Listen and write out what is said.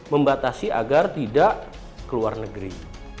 membatasi agar tidak keluar negeri